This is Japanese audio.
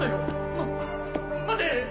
ま待て。